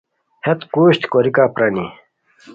ہیت قوژد کوریکہ پرانی